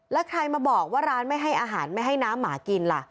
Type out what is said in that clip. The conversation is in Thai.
แล้วใครมาบอกว่าร้านไม่ให้อาหารไม่ให้น้ำหมากินล่ะ